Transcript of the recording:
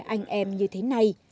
anh em như thế này